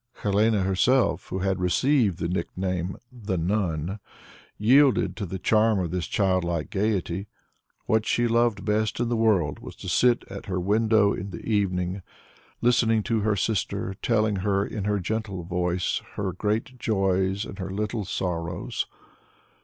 Helene herself who had received the nickname "the nun," yielded to the charm of this child like gaiety. What she loved best in the world was to sit at her window in the evening, listening to her sister telling her in her gentle voice her great joys and her little sorrows.